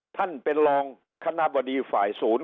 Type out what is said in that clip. ท่านเป็นรองคณะบดีฝ่ายศูนย์